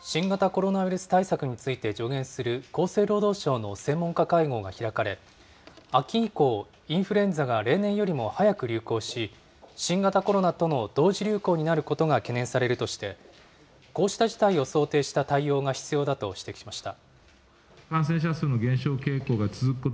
新型コロナウイルス対策について助言する厚生労働省の専門家会合が開かれ、秋以降、インフルエンザが例年よりも早く流行し、新型コロナとの同時流行になることが懸念されるとして、こうした事態を想定した対応が必要だと指摘しました。